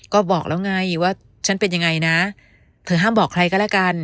ก็บอกแล้วไงว่าฉันเป็นยังไงนะเธอห้ามบอกใครก็แล้วกัน